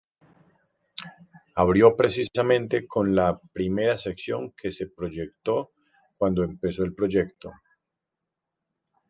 Abrió precisamente con la primera sesión que se proyectó cuando empezó el proyecto.